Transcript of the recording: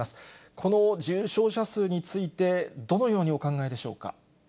この重症者数について、どのようにお考えでしょうか。